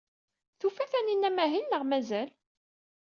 Tufa Taninna amahil neɣ mazal?